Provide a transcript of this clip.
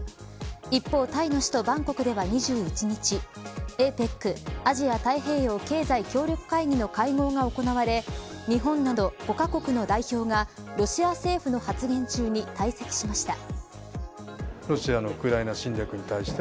一方、タイの首都バンコクでは２１日ＡＰＥＣアジア太平洋経済協力会議の会合が行われ日本など５カ国の代表がロシア政府の発言中に退席しました。